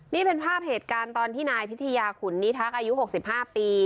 นี่เป็นภาพเหตุการณ์ตอนที่นายพิทยาขุนนิทักษ์อายุ๖๕ปี